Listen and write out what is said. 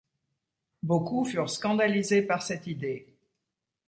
Beaucoup furent scandalisés par cette idée.